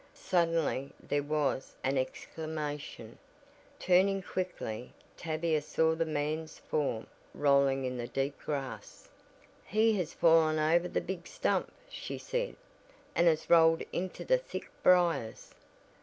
Suddenly there was an exclamation. Turning quickly Tavia saw the man's form rolling in the deep grass. "He has fallen over the big stump," she said, "and has rolled into the thick briars.